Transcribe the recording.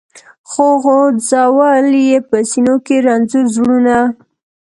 خو ځول یې په سینو کي رنځور زړونه